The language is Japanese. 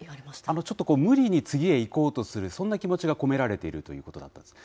ちょっと無理に次へいこうとする、そんな気持ちが込められているということだったんです。